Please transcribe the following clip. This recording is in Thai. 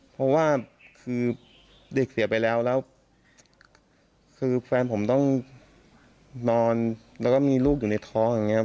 เพราะว่าคือเด็กเสียไปแล้วแล้วคือแฟนผมต้องนอนแล้วก็มีลูกอยู่ในท้องอย่างนี้ครับ